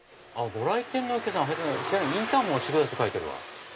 ご来店のお客様はインターホンを押してくださいって書いてあるわ。